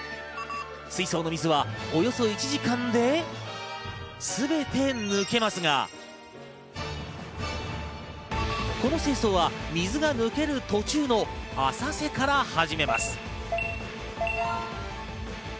水槽の水はおよそ１時間で全て抜けますが、この清掃は水が抜ける途中の浅瀬から始めます。